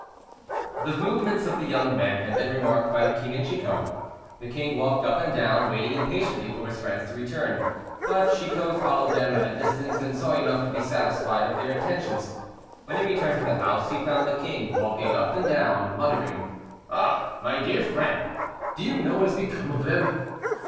The movements of the young men had been remarked by the king and Chicot. The king walked up and down, waiting impatiently for his friends to return; but Chicot followed them at a distance, and saw enough to be satisfied of their intentions. When he returned to the house he found the king, walking up and down, muttering. "Ah! my dear friend! do you know what has become of them?"